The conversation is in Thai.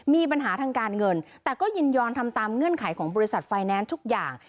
มีปัญหาทางการเงินแต่ก็ยินยอมทำตามเงื่อนไขของบริษัทไฟแนนซ์ทุกอย่าง